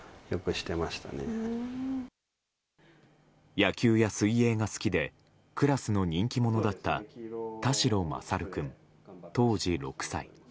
野球や水泳が好きでクラスの人気者だった田代優君、当時６歳。